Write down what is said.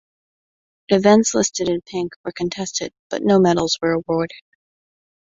Events listed in pink were contested but no medals were awarded.